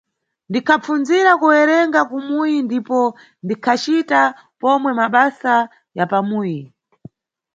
Ndikhapfundzira kuwerenga kumuyi ndipo ndikhacita pomwe mabasa ya pamuyi.